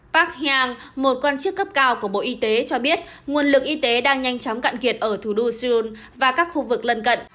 park hang một quan chức cấp cao của bộ y tế cho biết nguồn lực y tế đang nhanh chóng cạn kiệt ở thủ đô seoul và các khu vực lân cận